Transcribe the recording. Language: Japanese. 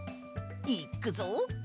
いっくぞ。